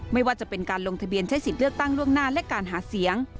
ไม่ว่าจะเป็นการลงทะเบียนใช้สิทธิ์เลือกตั้งล่วงหน้าและการหาเสียง